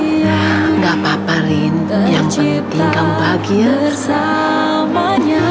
gak apa apa ririn yang penting kamu bahagia